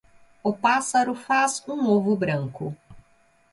O passaro faz um ovo branco.